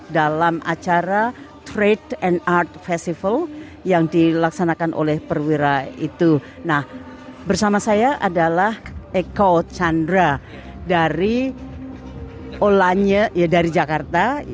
dari olanya ya dari jakarta